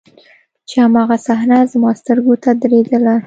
چې هماغه صحنه زما سترګو ته درېدله.